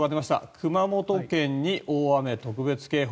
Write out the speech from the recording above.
熊本県に大雨特別警報。